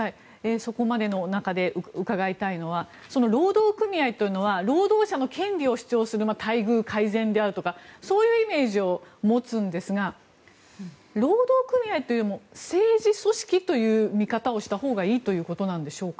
そこまでの中で伺いたいのがその労働組合というのは労働者の権利を主張する待遇改善であるとかそういうイメージを持つんですが労働組合という政治組織という見方をしたほうがいいということなんでしょうか。